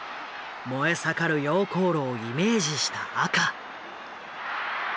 燃え盛る溶鉱炉をイメージした赤。